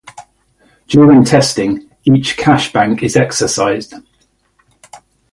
During testing, each cache bank is exercised.